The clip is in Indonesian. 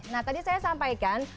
nah tadi saya sampaikan